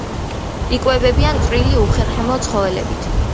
იკვებებიან წვრილი უხერხემლო ცხოველებით.